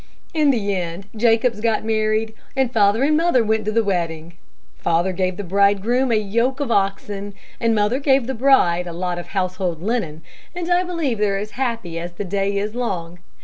"In the end, Jacobs got married, and father and mother went to the wedding. Father gave the bridegroom a yoke of oxen, and mother gave the bride a lot of household linen, and I believe they're as happy as the day is long.